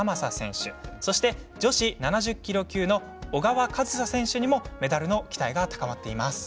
そして、女子７０キロ級の小川和紗選手にもメダルの期待が高まっています。